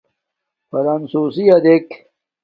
فرݳنسُݸسِیݳ دݵک.